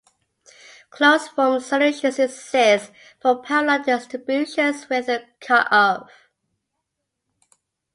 Closed form solutions exist for power-law distributions with a cut-off.